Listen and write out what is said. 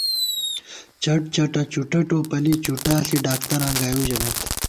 چٹ چَٹہ چُٹہ ٹوپَلی، چُٹا ݪی ڈاکتراں گائیؤ ژَمېت